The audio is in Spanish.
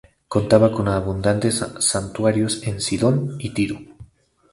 Contaba con abundantes santuarios en Sidón y Tiro.